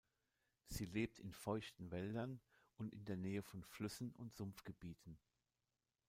Sie lebt in feuchten Wäldern und in der Nähe von Flüssen und Sumpfgebieten.